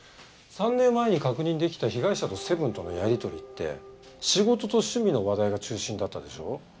３年前に確認できた被害者とセブンとのやりとりって仕事と趣味の話題が中心だったでしょ。